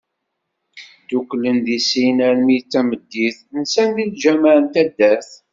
Ddukklen di sin, armi d tameddit, nsan di lğameε n taddart.